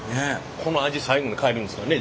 この味最後に帰るんですからね